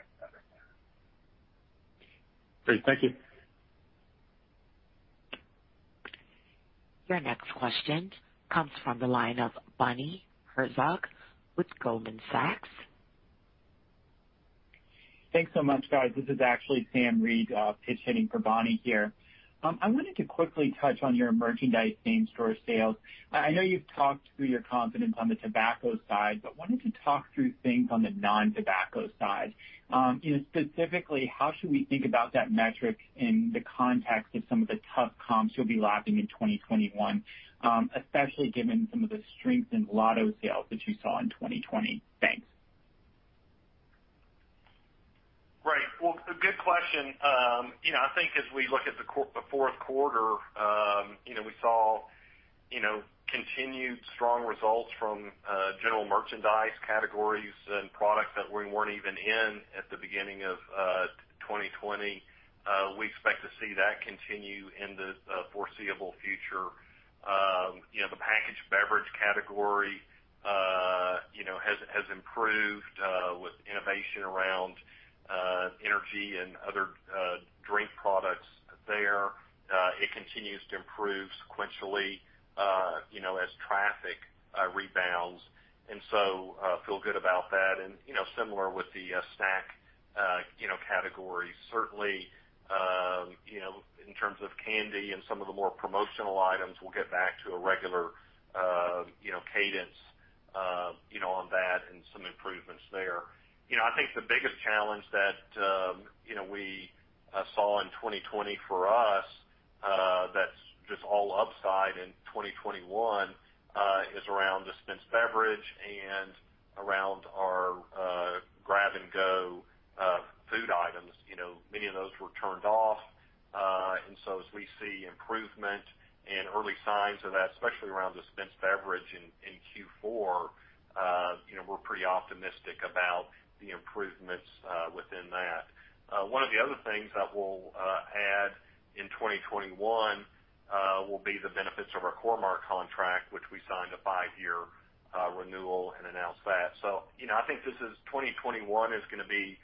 Great. Thank you. Your next question comes from the line of Bonnie Herzog with Goldman Sachs. Thanks so much, guys. This is actually Sam Reed pitch hitting for Bonnie here. I wanted to quickly touch on your merchandise same-store sales. I know you've talked through your confidence on the tobacco side, but wanted to talk through things on the non-tobacco side. Specifically, how should we think about that metric in the context of some of the tough comps you'll be lapping in 2021, especially given some of the strength in lotto sales that you saw in 2020? Thanks. Right. Well, a good question. I think as we look at the fourth quarter, we saw continued strong results from general merchandise categories and products that we weren't even in at the beginning of 2020. We expect to see that continue in the foreseeable future. The packaged beverage category has improved with innovation around energy and other drink products there. It continues to improve sequentially as traffic rebounds. And so feel good about that. And similar with the snack category. Certainly, in terms of candy and some of the more promotional items, we'll get back to a regular cadence on that and some improvements there. I think the biggest challenge that we saw in 2020 for us that's just all upside in 2021 is around dispensed beverage and around our grab-and-go food items. Many of those were turned off. And so as we see improvement and early signs of that, especially around dispensed beverage in Q4, we're pretty optimistic about the improvements within that. One of the other things that we'll add in 2021 will be the benefits of our Core-Mark contract, which we signed a five-year renewal and announced that. So I think this is 2021 is going to be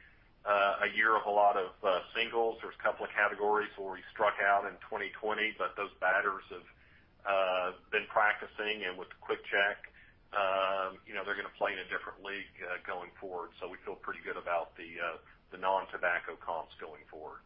a year of a lot of singles. There's a couple of categories where we struck out in 2020, but those batters have been practicing. And with QuickChek, they're going to play in a different league going forward. So we feel pretty good about the non-tobacco comps going forward.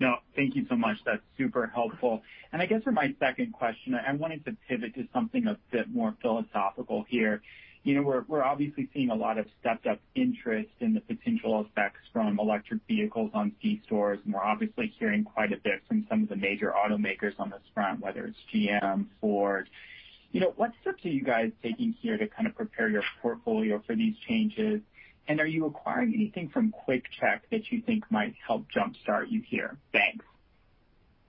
No, thank you so much. That's super helpful. And I guess for my second question, I wanted to pivot to something a bit more philosophical here. We're obviously seeing a lot of stepped-up interest in the potential effects from electric vehicles on C-stores. And we're obviously hearing quite a bit from some of the major automakers on this front, whether it's GM, Ford. What steps are you guys taking here to kind of prepare your portfolio for these changes? And are you acquiring anything from QuickChek that you think might help jump-start you here? Thanks.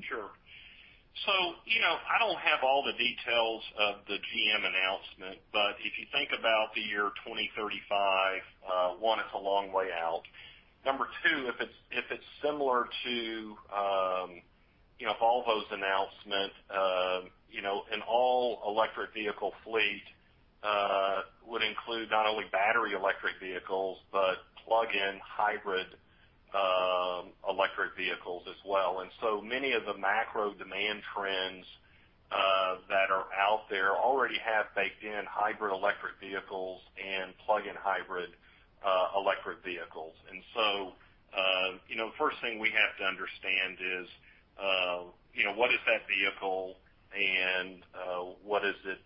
Sure. So I don't have all the details of the GM announcement, but if you think about the year 2035, one, it's a long way out. Number two, if it's similar to Volvo's announcement, an all-electric vehicle fleet would include not only battery electric vehicles but plug-in hybrid electric vehicles as well. And so many of the macro demand trends that are out there already have baked-in hybrid electric vehicles and plug-in hybrid electric vehicles. And so the first thing we have to understand is what is that vehicle, and what is it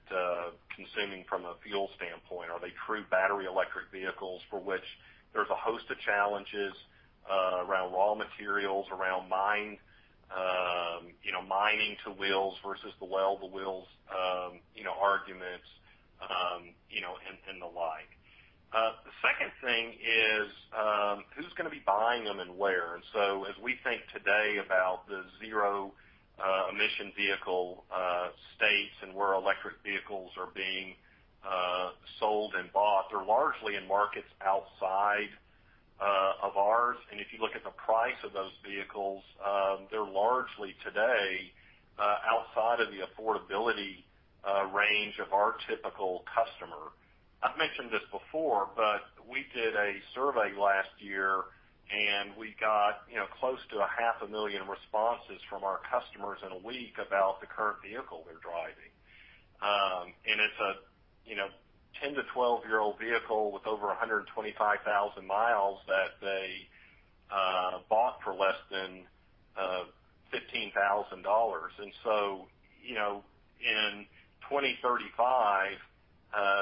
consuming from a fuel standpoint? Are they true battery electric vehicles for which there's a host of challenges around raw materials, around mining, mine-to-wheel versus well-to-wheel arguments, and the like? The second thing is who's going to be buying them and where? And so as we think today about the zero-emission vehicle states and where electric vehicles are being sold and bought, they're largely in markets outside of ours. And if you look at the price of those vehicles, they're largely today outside of the affordability range of our typical customer. I've mentioned this before, but we did a survey last year, and we got close to 500,000 responses from our customers in a week about the current vehicle they're driving. And it's a 10- to 12-year-old vehicle with over 125,000 miles that they bought for less than $15,000. And so in 2035,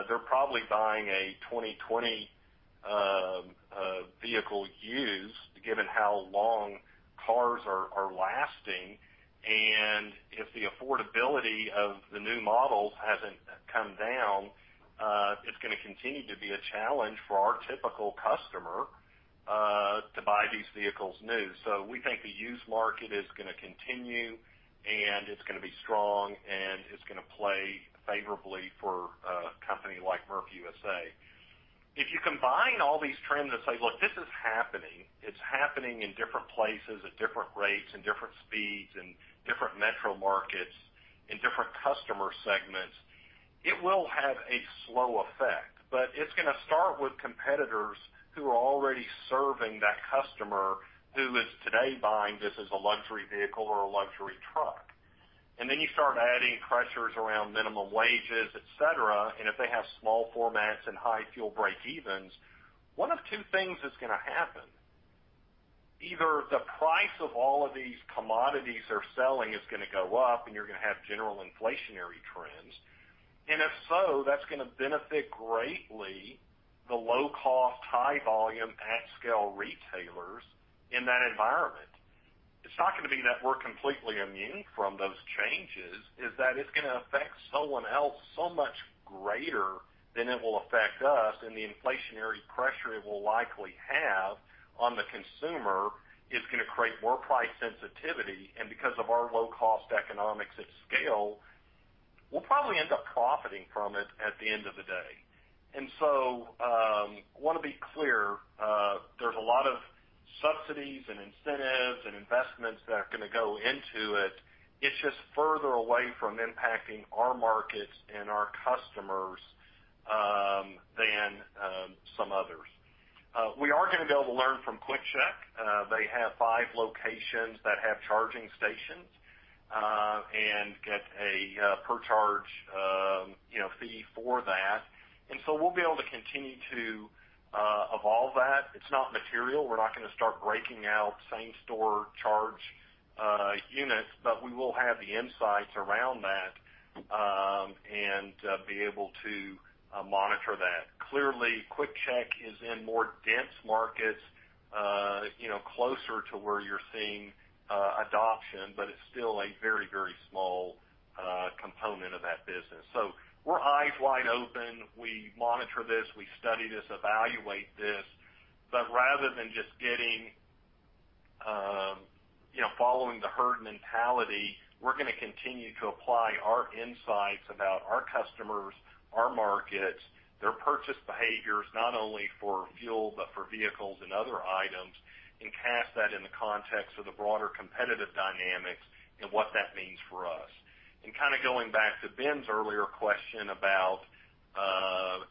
they're probably buying a 2020 vehicle used given how long cars are lasting. And if the affordability of the new models hasn't come down, it's going to continue to be a challenge for our typical customer to buy these vehicles new. So we think the used market is going to continue, and it's going to be strong, and it's going to play favorably for a company like Murphy USA. If you combine all these trends and say, "Look, this is happening. It's happening in different places at different rates and different speeds and different metro markets and different customer segments," it will have a slow effect. But it's going to start with competitors who are already serving that customer who is today buying this as a luxury vehicle or a luxury truck. And then you start adding pressures around minimum wages, etc. And if they have small formats and high fuel breakevens, one of two things is going to happen. Either the price of all of these commodities they're selling is going to go up, and you're going to have general inflationary trends. And if so, that's going to benefit greatly the low-cost, high-volume, at-scale retailers in that environment. It's not going to be that we're completely immune from those changes. It's that it's going to affect someone else so much greater than it will affect us. And the inflationary pressure it will likely have on the consumer is going to create more price sensitivity. And because of our low-cost economics at scale, we'll probably end up profiting from it at the end of the day. And so I want to be clear. There's a lot of subsidies and incentives and investments that are going to go into it. It's just further away from impacting our markets and our customers than some others. We are going to be able to learn from QuickChek. They have five locations that have charging stations and get a per-charge fee for that. And so we'll be able to continue to evolve that. It's not material. We're not going to start breaking out same-store charge units, but we will have the insights around that and be able to monitor that. Clearly, QuickChek is in more dense markets closer to where you're seeing adoption, but it's still a very, very small component of that business. So we're eyes wide open. We monitor this. We study this, evaluate this. But rather than just getting following the herd mentality, we're going to continue to apply our insights about our customers, our markets, their purchase behaviors, not only for fuel but for vehicles and other items, and cast that in the context of the broader competitive dynamics and what that means for us. Kind of going back to Ben's earlier question about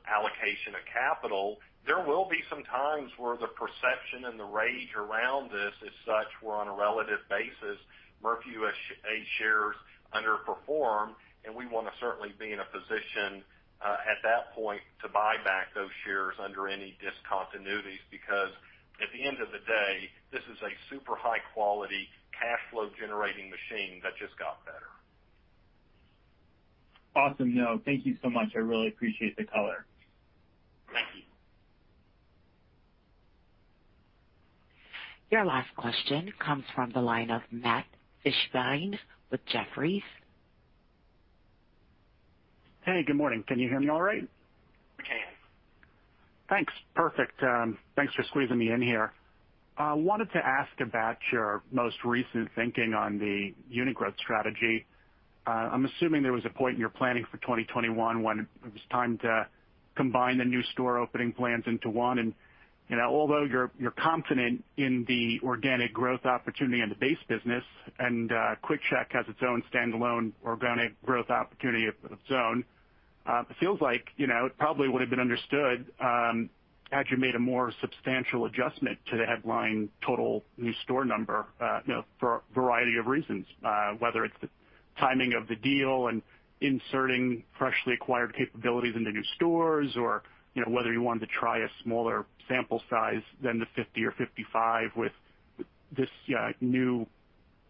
allocation of capital, there will be some times where the perception and the range around this is such we're on a relative basis. Murphy USA shares underperform, and we want to certainly be in a position at that point to buy back those shares under any discontinuities because at the end of the day, this is a super high-quality cash flow-generating machine that just got better. Awesome. No, thank you so much. I really appreciate the color. Thank you. Your last question comes from the line of Matt Fishbein with Jefferies. Hey, good morning. Can you hear me all right? We can. Thanks. Perfect. Thanks for squeezing me in here. I wanted to ask about your most recent thinking on the unit growth strategy. I'm assuming there was a point in your planning for 2021 when it was time to combine the new store opening plans into one, and although you're confident in the organic growth opportunity in the base business, and QuickChek has its own standalone organic growth opportunity of its own, it feels like it probably would have been understood had you made a more substantial adjustment to the headline total new store number for a variety of reasons, whether it's the timing of the deal and inserting freshly acquired capabilities into new stores, or whether you wanted to try a smaller sample size than the 50 or 55 with this new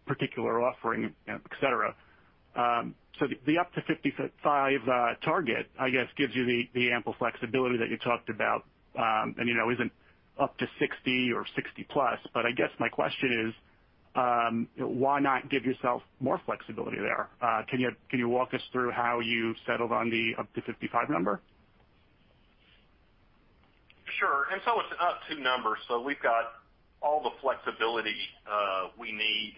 particular offering, etc. So the up to 55 target, I guess, gives you the ample flexibility that you talked about and isn't up to 60 or 60 plus. But I guess my question is, why not give yourself more flexibility there? Can you walk us through how you settled on the up to 55 number? Sure. And so it's an up to number. So we've got all the flexibility we need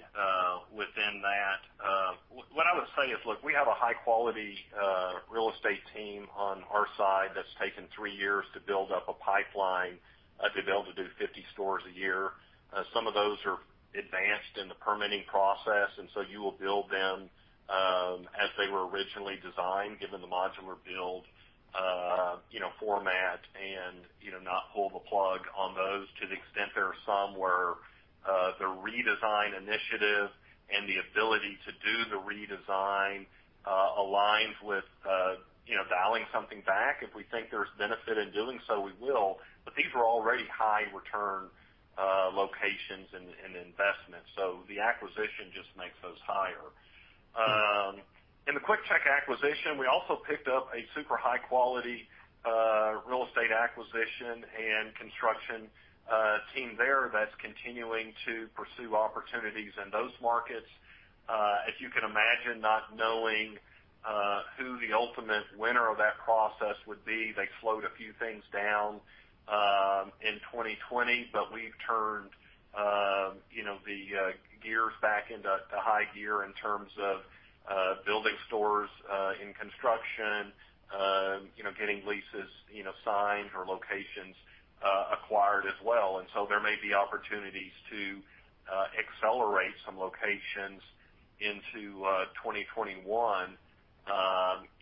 within that. What I would say is, look, we have a high-quality real estate team on our side that's taken three years to build up a pipeline to be able to do 50 stores a year. Some of those are advanced in the permitting process, and so you will build them as they were originally designed, given the modular build format, and not pull the plug on those to the extent there are some where the redesign initiative and the ability to do the redesign aligns with dialing something back. If we think there's benefit in doing so, we will. But these were already high-return locations and investments. So the acquisition just makes those higher. In the QuickChek acquisition, we also picked up a super high-quality real estate acquisition and construction team there that's continuing to pursue opportunities in those markets. As you can imagine, not knowing who the ultimate winner of that process would be, they slowed a few things down in 2020, but we've turned the gears back into high gear in terms of building stores in construction, getting leases signed or locations acquired as well. And so there may be opportunities to accelerate some locations into 2021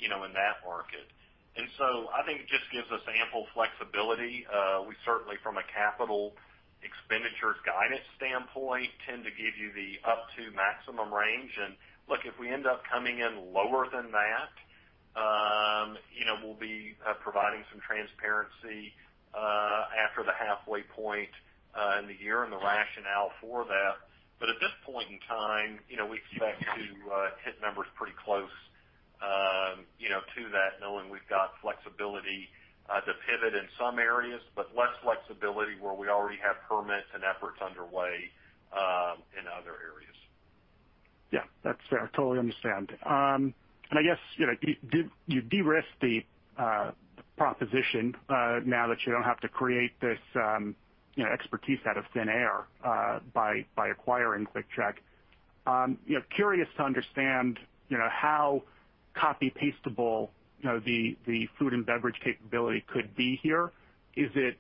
in that market. And so I think it just gives us ample flexibility. We certainly, from a capital expenditure guidance standpoint, tend to give you the up to maximum range. And look, if we end up coming in lower than that, we'll be providing some transparency after the halfway point in the year and the rationale for that. But at this point in time, we expect to hit numbers pretty close to that, knowing we've got flexibility to pivot in some areas, but less flexibility where we already have permits and efforts underway in other areas. Yeah, that's fair. I totally understand. And I guess you de-risk the proposition now that you don't have to create this expertise out of thin air by acquiring QuickChek. Curious to understand how copy-pastable the food and beverage capability could be here. Is it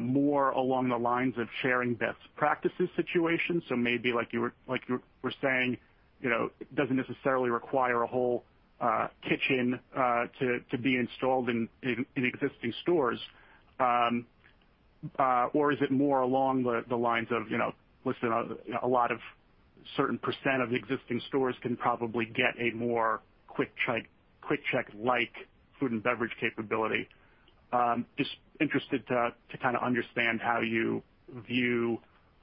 more along the lines of sharing best practices situations? So maybe like you were saying, it doesn't necessarily require a whole kitchen to be installed in existing stores. Or is it more along the lines of, listen, a lot of certain % of existing stores can probably get a more QuickChek-like food and beverage capability? Just interested to kind of understand how you view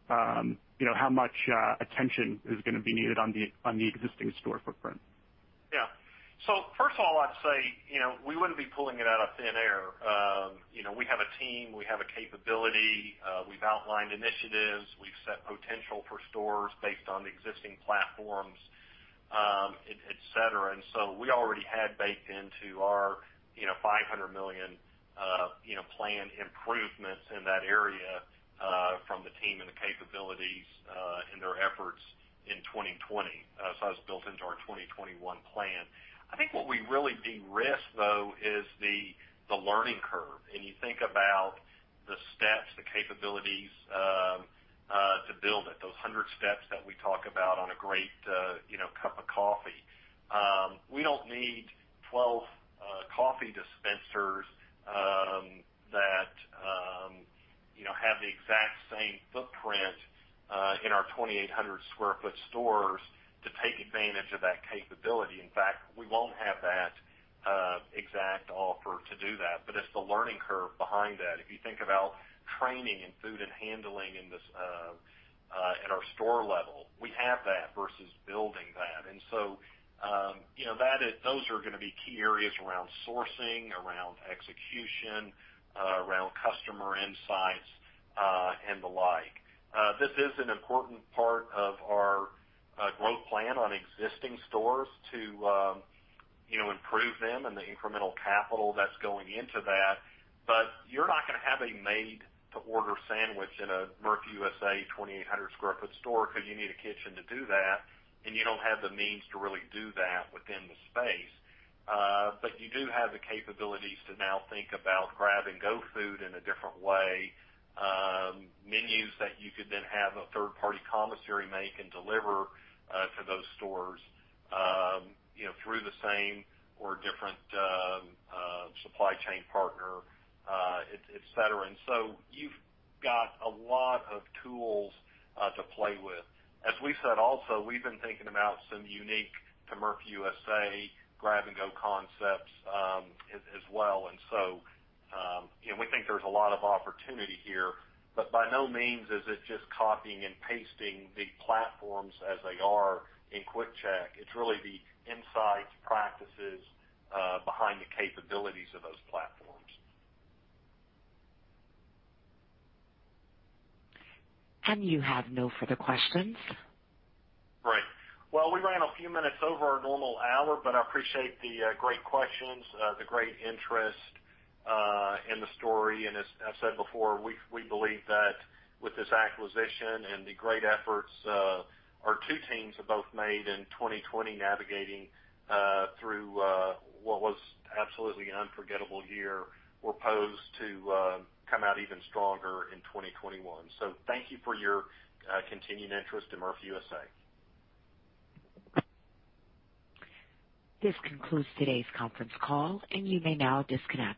how much attention is going to be needed on the existing store footprint. Yeah. So first of all, I'd say we wouldn't be pulling it out of thin air. We have a team. We have a capability. We've outlined initiatives. We've set potential for stores based on the existing platforms, etc. And so we already had baked into our $500 million plan improvements in that area from the team and the capabilities and their efforts in 2020. So that was built into our 2021 plan. I think what we really de-risk, though, is the learning curve. And you think about the steps, the capabilities to build it, those hundred steps that we talk about on a great cup of coffee. We don't need 12 coffee dispensers that have the exact same footprint in our 2,800-sq-ft stores to take advantage of that capability. In fact, we won't have that exact offer to do that. But it's the learning curve behind that. If you think about training and food and handling at our store level, we have that versus building that. And so those are going to be key areas around sourcing, around execution, around customer insights, and the like. This is an important part of our growth plan on existing stores to improve them and the incremental capital that's going into that. But you're not going to have a made-to-order sandwich in a Murphy USA 2,800-sq-ft store because you need a kitchen to do that, and you don't have the means to really do that within the space. But you do have the capabilities to now think about grab-and-go food in a different way, menus that you could then have a third-party commissary make and deliver to those stores through the same or different supply chain partner, etc. And so you've got a lot of tools to play with. As we said, also, we've been thinking about some unique to Murphy USA grab-and-go concepts as well. And so we think there's a lot of opportunity here. But by no means is it just copying and pasting the platforms as they are in QuickChek. It's really the insights, practices behind the capabilities of those platforms. You have no further questions. Great. Well, we ran a few minutes over our normal hour, but I appreciate the great questions, the great interest in the story. And as I've said before, we believe that with this acquisition and the great efforts, our two teams have both made in 2020 navigating through what was absolutely an unforgettable year. We're poised to come out even stronger in 2021. So thank you for your continued interest in Murphy USA. This concludes today's conference call, and you may now disconnect.